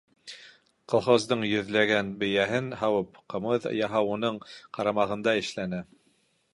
Колхоздың йөҙләгән бейәһен һауып, ҡымыҙ яһау уның ҡарамағында эшләнә.